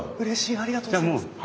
ありがとうございます！